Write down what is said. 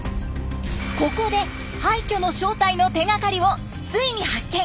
ここで廃虚の正体の手がかりをついに発見！